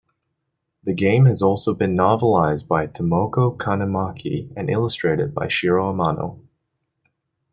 The game has also been novelized by Tomoco Kanemaki and illustrated by Shiro Amano.